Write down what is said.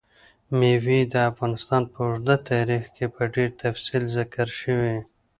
مېوې د افغانستان په اوږده تاریخ کې په ډېر تفصیل ذکر شوي.